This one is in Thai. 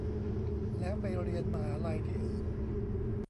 แล้วไปเรียนมหาลัยที่อื่น